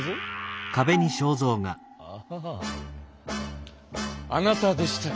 あなたでしたか。